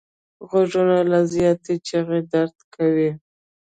غوږونه له زیاتې چیغې درد کوي